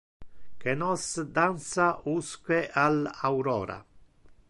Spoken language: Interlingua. Que nos dansa usque al aurora!